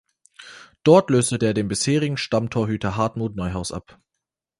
Dort löste der den bisherigen Stammtorhüter Hartmut Neuhaus ab.